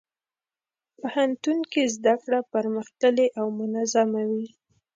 پوهنتون کې زدهکړه پرمختللې او منظمه وي.